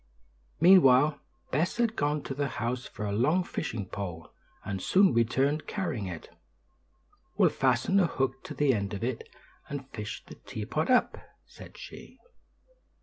Meanwhile Bess had gone to the house for a long fishing pole, and soon returned carrying it. "We'll fasten a hook to the end of it, and fish the teapot up," said she.